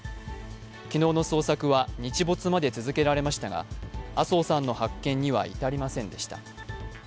昨日の捜索は日没まで続けられましたが、麻生さんの発見には至りませんでした。